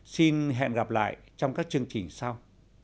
xin hẹn gặp lại trong các chương trình sau